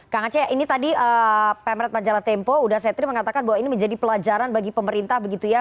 kak nacaya ini tadi pm red majalah tempo udhase tri mengatakan bahwa ini menjadi pelajaran bagi pemerintah begitu ya